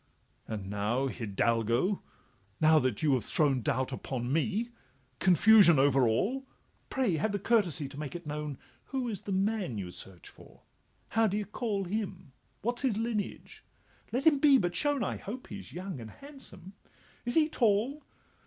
'And now, Hidalgo! now that you have thrown Doubt upon me, confusion over all, Pray have the courtesy to make it known Who is the man you search for? how d' ye cal Him? what 's his lineage? let him but be shown— I hope he 's young and handsome—is he tall?